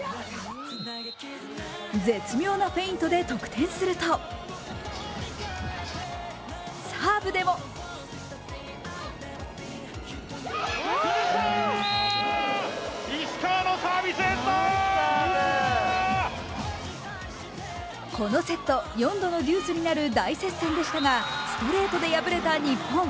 絶妙なフェイントで得点するとサーブでもこのセット４度のデュースになる大接戦でしたがストレートで敗れた日本。